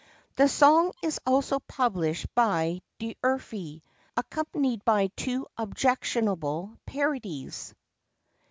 The song is also published by D'Urfey, accompanied by two objectionable parodies.